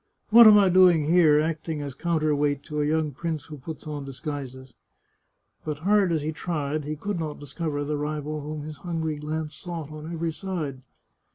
" What am I doing here, acting as counter weight to a young prince who puts on disguises ?" But, hard as he tried, he could not discover the rival whom his hungry glance sought on every side.